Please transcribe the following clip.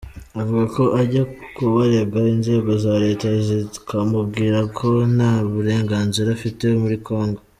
Avuga ko ajya kubarega inzego za Leta zikamubwira ko nta burenganzira afite muri Congo.